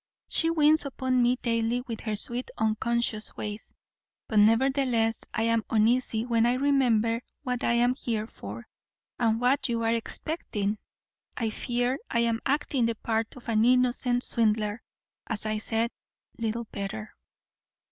She wins upon me daily with her sweet unconscious ways. But nevertheless I am uneasy when I remember what I am here for, and what you are expecting. I fear I am acting the part of an innocent swindler, as I said; little better.